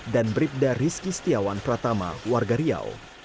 dan bribda rizki setiawan pratama warga riau